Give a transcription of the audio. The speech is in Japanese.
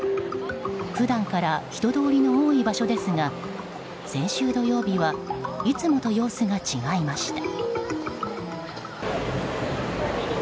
普段から人通りの多い場所ですが先週土曜日はいつもと様子が違いました。